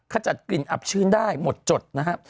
ขจัดกลิ่นอับชื้นได้หมดจดนะครับ